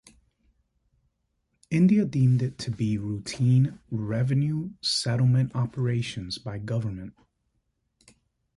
India deemed it to be routine "revenue settlement operations" by Govt.